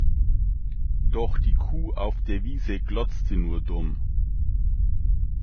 Doch die Kuh auf der Wiese glotzte nur dumm.